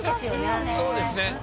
そうですね。